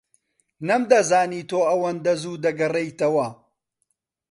نەمدەزانی تۆ ئەوەندە زوو دەگەڕێیتەوە.